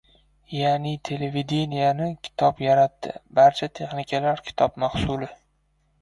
Ya’ni, televideniyeni kitob yaratdi. Barcha texnikalar kitob mahsuli.